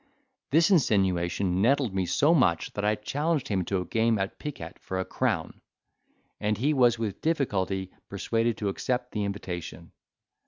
This insinuation nettled me so much that I challenged him to a game at piquet for a crown: and he was with difficulty persuaded to accept the invitation.